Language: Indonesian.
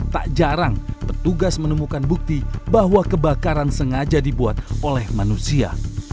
tak jarang petugas menemukan bukti bahwa kebakaran sengaja dibuat oleh manusia